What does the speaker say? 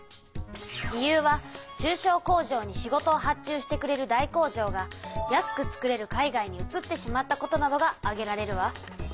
理由は中小工場に仕事を発注してくれる大工場が安く作れる海外にうつってしまったことなどが挙げられるわ。